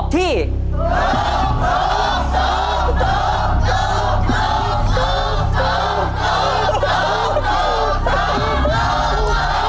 ถูก